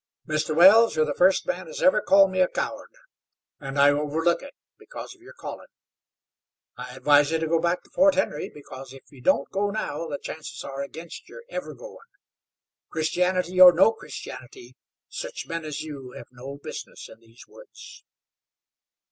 Mr. Wells, you're the first man as ever called me a coward, an' I overlook it because of your callin'. I advise you to go back to Fort Henry, because if you don't go now the chances are aginst your ever goin'. Christianity or no Christianity, such men as you hev no bisness in these woods."